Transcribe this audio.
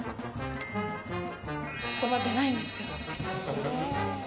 言葉、出ないんですけど。